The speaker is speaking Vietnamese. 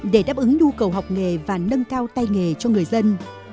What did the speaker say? để đáp ứng nhu cầu học nghề và nâng cao tay nghề cho người dân